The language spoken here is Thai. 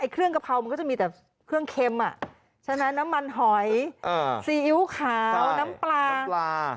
เครื่องกะเพรามันก็จะมีแต่เครื่องเค็มใช่ไหมน้ำมันหอยซีอิ๊วขาวน้ำปลาปลา